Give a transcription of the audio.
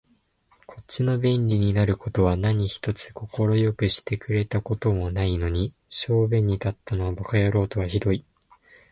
こっちの便利になる事は何一つ快くしてくれた事もないのに、小便に立ったのを馬鹿野郎とは酷い